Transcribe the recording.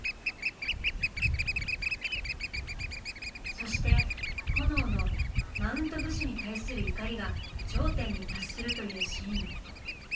そしてホノオのマウント武士に対する怒りが頂点に達するというシーン。